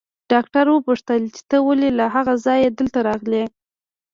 ډاکټر وپوښتل چې ته ولې له هغه ځايه دلته راغلې.